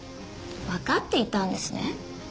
わかっていたんですね？